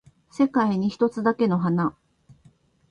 世界に一つだけの花